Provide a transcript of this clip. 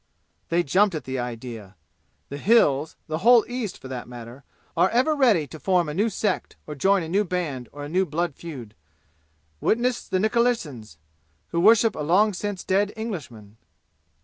They jumped at the idea. The "Hills" the whole East, for that matter are ever ready to form a new sect or join a new band or a new blood feud. Witness the Nikalseyns, who worship a long since dead Englishman.